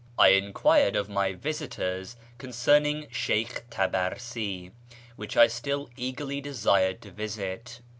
I enquired of my visitors concerning Sheykh Tabarsi, which I still eagerly desired to visit.